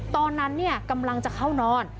ตอนนั้นกำลังจะเข้านอน